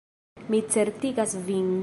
Mi certigas vin.